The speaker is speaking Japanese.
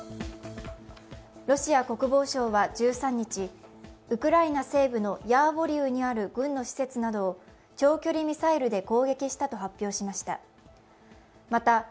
ロシア国防省は１３日、ウクライナ西部のヤーヴォリウにある軍の施設などを長距離ミサイルで攻撃したと発表しました。